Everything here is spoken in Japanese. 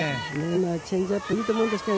今はチェンジアップでいいと思うんですけど。